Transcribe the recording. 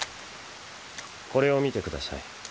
これを見てください。